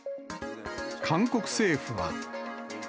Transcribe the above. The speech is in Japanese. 韓国政府は。